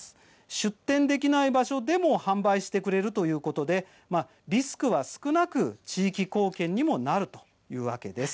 出店できない場所でも販売してくれるということでリスクは少なく地域貢献にもなるというわけです。